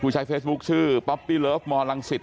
ใช้เฟซบุ๊คชื่อป๊อปปี้เลิฟมลังศิษ